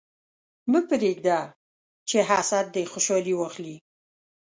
مه پرېږده چې حسد دې خوشحالي واخلي.